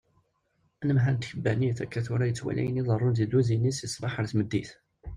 Anemhal n tkebbanit akka tura yettwali ayen iḍerrun di lluzin-is si sbeḥ ar tmeddit.